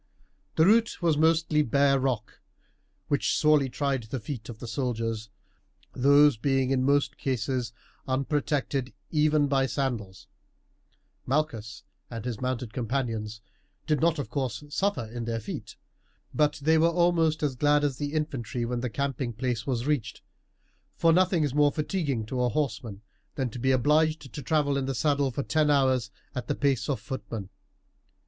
The route was mostly bare rock, which sorely tried the feet of the soldiers, these being in most cases unprotected even by sandals. Malchus and his mounted companions did not of course suffer in their feet. But they were almost as glad as the infantry when the camping place was reached, for nothing is more fatiguing to a horseman than to be obliged to travel in the saddle for ten hours at the pace of footmen.